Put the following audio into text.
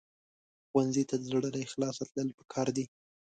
ښوونځی ته د زړه له اخلاصه تلل پکار دي